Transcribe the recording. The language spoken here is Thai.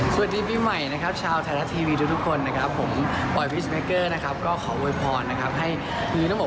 ช่วงนี้ใกล้แต่งหน้าก็ต้องเซฟนึง